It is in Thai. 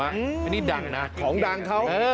อันนี้ดังนะของดังเขา